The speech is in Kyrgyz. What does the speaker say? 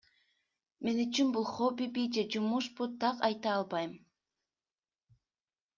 Мен үчүн бул хоббиби же жумушпу так айта албайм.